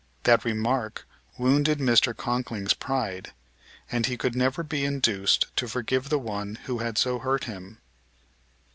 That remark wounded Mr. Conkling's pride; and he could never be induced to forgive the one who had so hurt him.